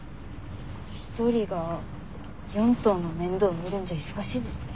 １人が４頭の面倒を見るんじゃ忙しいですね。